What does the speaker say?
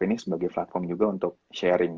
ini sebagai platform juga untuk sharing